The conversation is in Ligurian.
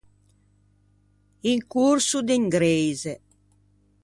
Un corso d’ingreise.